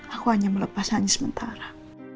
aku hanya melepas hanya sementara